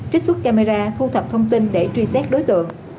trích xuất camera thu thập thông tin để truy xét đối tượng